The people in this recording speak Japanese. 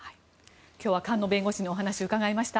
今日は菅野弁護士にお話を伺いました。